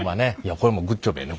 これもグッジョブやね。